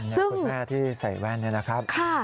คุณแม่ที่ใส่แว่นนี่นะครับ